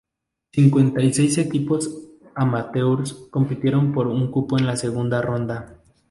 Cincuenta y seis equipos "amateurs" compitieron por un cupo a la Segunda Ronda.